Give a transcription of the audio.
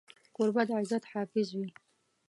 کوربه د عزت حافظ وي.